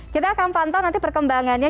kita akan pantau nanti perkembangannya